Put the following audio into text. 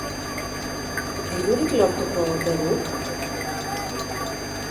Dirurik lortuko ote du?